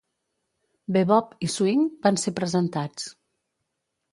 Bebop i swing van ser presentats.